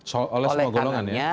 soal semua golongan ya